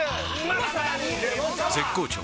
絶好調！！